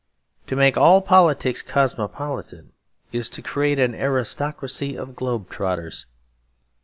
To make all politics cosmopolitan is to create an aristocracy of globe trotters.